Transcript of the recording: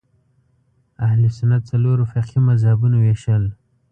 اهل سنت څلورو فقهي مذهبونو وېشل